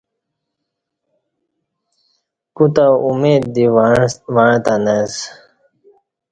کوتہ امید دی وعݩتہ نہ اسہ